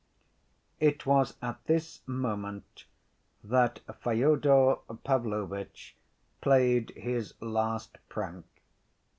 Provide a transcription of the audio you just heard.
It was at this moment that Fyodor Pavlovitch played his last prank.